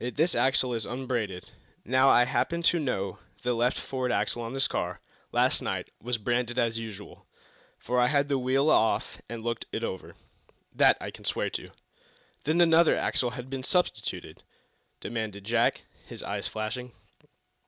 Yet this axle is unbranded! Now, I happen to know that the left forward axle on this car last night was branded as usual, for I had the wheel off and looked it over. That I can swear to." "Then another axle has been substituted?" demanded Jack, his eyes flashing.